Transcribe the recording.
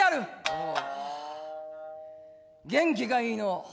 「おお元気がいいのう。